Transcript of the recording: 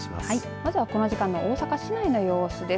まずはこの時間の大阪市内の様子です。